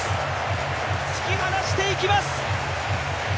突き放していきます。